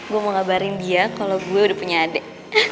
gue mau ngabarin dia kalo gue udah punya adek